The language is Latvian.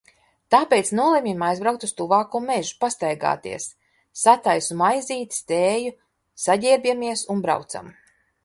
Tāpēc nolemjam aizbraukt uz tuvāko mežu, pastaigāties. Sataisu maizītes, tēju, saģērbjamies un braucam.